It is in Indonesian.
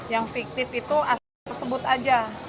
yang fiktif itu asal tersebut aja